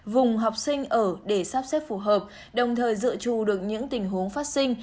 vùng học sinh ở để sắp xếp phù hợp đồng thời dự trù được những tình huống phát sinh